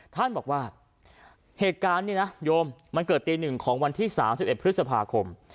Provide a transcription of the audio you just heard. ท่านบอกว่าเหตุการณ์นี่นะโยมมันเกิดตีหนึ่งของวันที่สามสิบเอ็ดพฤษภาคม